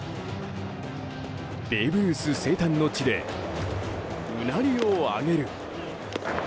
ベーブ・ルース生誕の地でうなりを上げる。